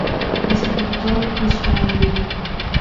Escritor israelí.